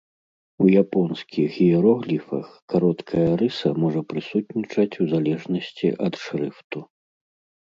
У японскіх іерогліфах кароткая рыса можа прысутнічаць у залежнасці ад шрыфту.